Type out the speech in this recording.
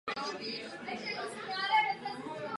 Nyní se těším na zajímavou rozpravu a na vaše názory.